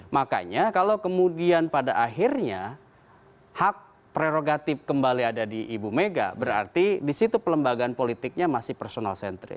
makanya kalau kemudian pada akhirnya hak prerogatif kembali ada di ibu mega berarti disitu pelembagaan politiknya masih personal centril